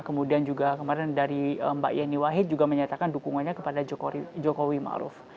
kemudian juga kemarin dari mbak yeni wahid juga menyatakan dukungannya kepada jokowi ma'ruf